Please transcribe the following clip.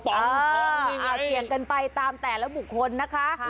เสี่ยงกันไปตามแต่ละบุคคลนะคะ